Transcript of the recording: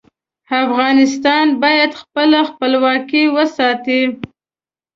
افغانستان باید خپله خپلواکي وساتي.